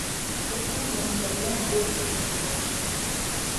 ერთად მოხვდებიან კლუბ გრიფინდორში.